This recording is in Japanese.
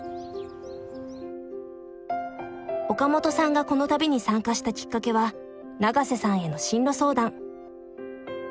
岡本さんがこの旅に参加したきっかけは永瀬さんへの進路相談。